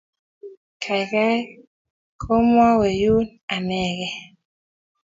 kaaikaai komowe yun anegei